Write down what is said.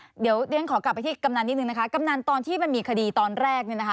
เดี๋ยวเรียนขอกลับไปที่กำนันนิดนึงนะคะกำนันตอนที่มันมีคดีตอนแรกเนี่ยนะคะ